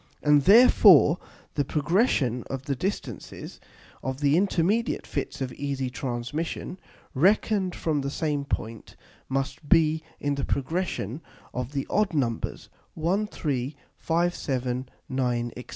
And therefore the progression of the distances of the intermediate Fits of easy Transmission, reckon'd from the same point, must be in the progression of the odd Numbers 1, 3, 5, 7, 9, &c.